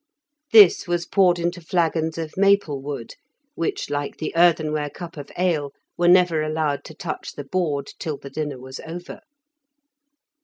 This was poured into flagons of maple wood, which, like the earthenware cup of ale, were never allowed to touch the board till the dinner was over.